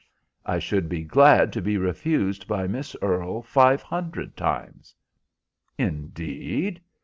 "I should be glad to be refused by Miss Earle five hundred times." "Indeed?"